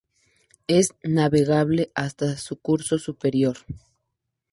Es navegable hasta su curso superior.